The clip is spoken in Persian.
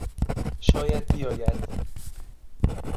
شاید بیاید.